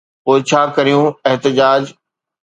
پوءِ ڇا ڪريون احتجاج؟